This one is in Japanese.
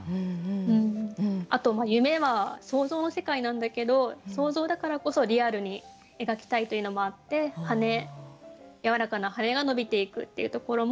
あと夢は想像の世界なんだけど想像だからこそリアルに描きたいというのもあって「やわらかな翅はのびてゆく」っていうところも書いてみました。